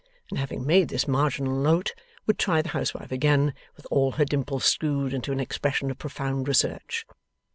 And having made this marginal note, would try the Housewife again, with all her dimples screwed into an expression of profound research.